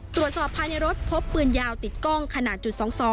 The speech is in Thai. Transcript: ตรวจสอบภายในรถพบปืนยาวติดกล้องขนาดจุด๒๒